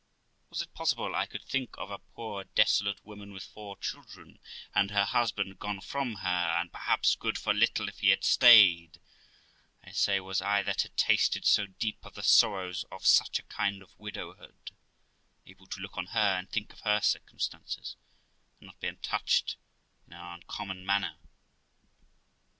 Was it possible I could think of a poor desolate woman with four children, and her husband gone from her, and perhaps good for little if he had stayed I say, was I, that had tasted so deep of the sorrows of such a kind of widowhood, able to look on her, and think of her circumstances, and not be touched in an uncommon manner?